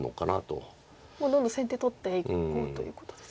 もうどんどん先手取っていこうということですか。